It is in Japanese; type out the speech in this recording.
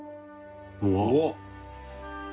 「うわっ」